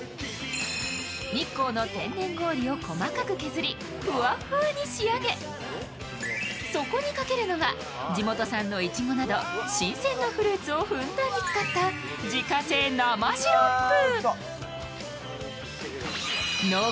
日光の天然氷を細かく削り、フワフワに仕上げ、そこにかけるのは地元産のいちごなど新鮮なフルーツをふんだんに使った自家製生シロップ。